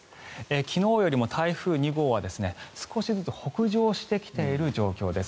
昨日よりも台風２号は少しずつ北上してきている状況です。